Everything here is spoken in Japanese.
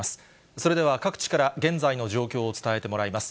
それでは、各地から現在の状況を伝えてもらいます。